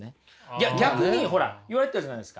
いや逆にほら言われてたじゃないですか。